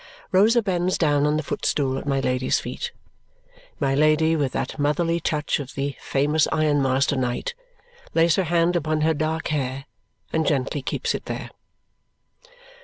Rosa bends down on the footstool at my Lady's feet. My Lady, with that motherly touch of the famous ironmaster night, lays her hand upon her dark hair and gently keeps it there.